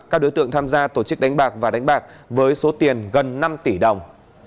các đối tượng tham gia tổ chức đánh bạc và đánh bạc với số tiền gần năm tỷ đồng